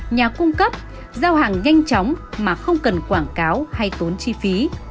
nhà cung cấp giao hàng nhanh chóng mà không cần quảng cáo hay tốn chi phí